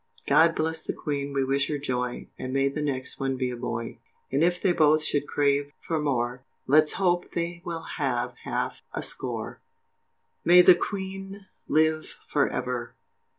God bless the Queen, we wish her joy, And may the next one be a boy, And if they both should crave for more Let's hope they will have half a score. MAY THE QUEEN LIVE FOR EVER.